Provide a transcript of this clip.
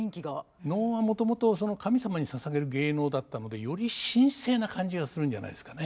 能はもともと神様に捧げる芸能だったのでより神聖な感じはするんじゃないですかね。